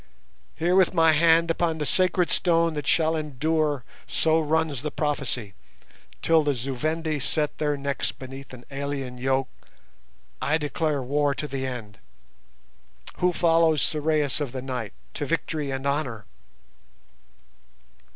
"Here, with my hand upon the sacred stone that shall endure, so runs the prophecy, till the Zu Vendi set their necks beneath an alien yoke, I declare war to the end. Who follows Sorais of the Night to victory and honour?"